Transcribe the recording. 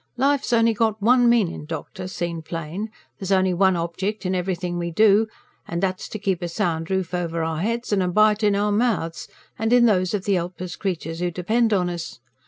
Life's only got one meanin', doctor; seen plain, there's only one object in everything we do; and that's to keep a sound roof over our heads and a bite in our mouths and in those of the helpless creatures who depend on us.